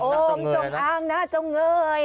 โอ้มจงอางนะจงเงย